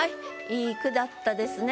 良い句だったですね。